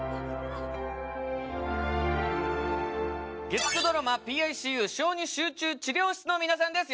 月９ドラマ『ＰＩＣＵ小児集中治療室』の皆さんです。